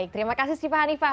terima kasih siva hanifah